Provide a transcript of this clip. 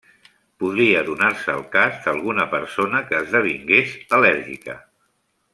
Podria donar-se el cas d'alguna persona que esdevingués al·lèrgica.